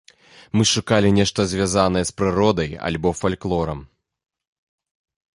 Мы шукалі нешта звязанае з прыродай альбо фальклорам.